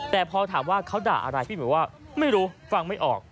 แต่พอถามว่าเขาด่าอะไรพี่บุ๋ยว่าไม่รู้ฟังไม่ออก